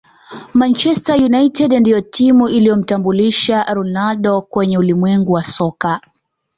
manchester united ndiyo timu iliyomtambulisha ronaldo kwenye ulimwengu wa soka